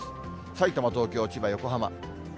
さいたま、東京、千葉、横浜。